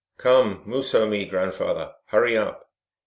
"Come, mooso me (grandfather), hurry up!